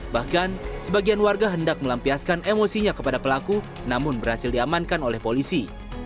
bahkan sebagian warga hendak melampiaskan emosinya kepada pelaku namun berhasil diamankan oleh polisi